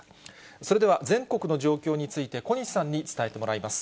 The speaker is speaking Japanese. それでは、全国の状況について、小西さんに伝えてもらいます。